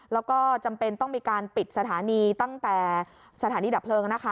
แล้วก็จำเป็นต้องมีการปิดสถานีตั้งแต่สถานีดับเพลิงนะคะ